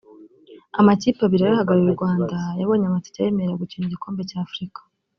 amakipe abiri yari ahagarariye u Rwanda yabonye amatike ayemerera gukina igikombe cya Afrika